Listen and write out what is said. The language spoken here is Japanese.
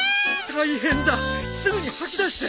大変だすぐに吐き出して！